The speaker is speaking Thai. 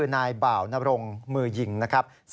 นายบ่าวนรงมือยิงนะครับ